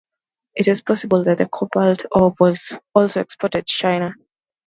It is possible that the cobalt ore was also exported to China.